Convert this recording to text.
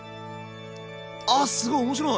あすごい面白い。